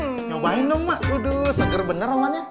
nyawain dong mak seger bener omannya